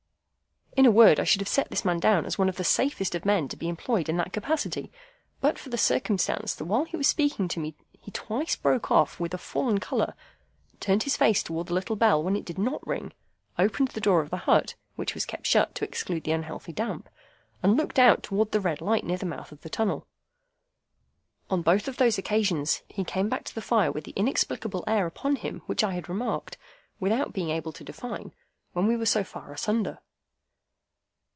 In a word, I should have set this man down as one of the safest of men to be employed in that capacity, but for the circumstance that while he was speaking to me he twice broke off with a fallen colour, turned his face towards the little bell when it did NOT ring, opened the door of the hut (which was kept shut to exclude the unhealthy damp), and looked out towards the red light near the mouth of the tunnel. On both of those occasions, he came back to the fire with the inexplicable air upon him which I had remarked, without being able to define, when we were so far asunder.